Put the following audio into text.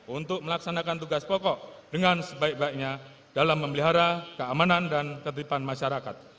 untuk melaksanakan tugas pokok dengan sebaik baiknya dalam memelihara keamanan dan ketipan masyarakat